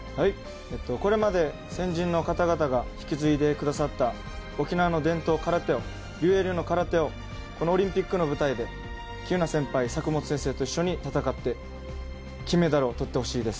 これまで、先人の方々が引き継いでくださった沖縄の伝統、空手をこのオリンピックの舞台で喜友名先輩、佐久本先生と一緒に戦って金メダルをとってほしいです。